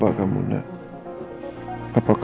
ya allah mas mas mas